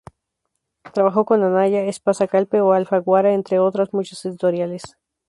Trabajó con Anaya, Espasa-Calpe o Alfaguara, entre otras muchas editoriales.